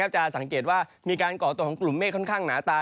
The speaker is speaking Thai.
จะสังเกตว่ามีการก่อตัวของกลุ่มเมฆค่อนข้างหนาตา